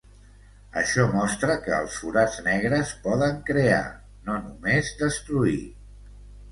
Això mostra que els forats negres poden crear, no només destruir.